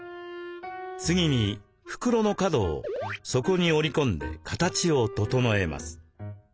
次に袋の角を底に折り込んで形を整えます。